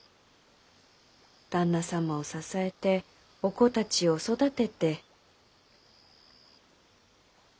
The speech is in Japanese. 旦那様を支えてお子たちを育てて。